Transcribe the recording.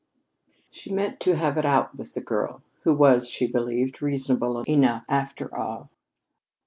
She meant to "have it out" with the girl, who was, she believed, reasonable enough after all.